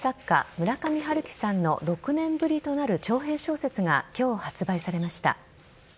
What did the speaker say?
村上春樹さんの６年ぶりとなる長編小説が今日発売されました。